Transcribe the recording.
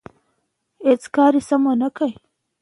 پي پي پي اخته مېرمنې باید خپل فشار کنټرول کړي.